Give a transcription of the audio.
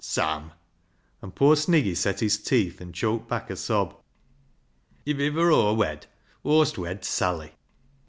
" Sam," and poor Sniggy set his teeth, and choked back a sob, " if iver Aw wed Aw'st wed Sally.